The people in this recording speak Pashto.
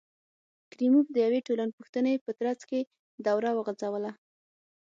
کریموف د یوې ټولپوښتنې په ترڅ کې دوره وغځوله.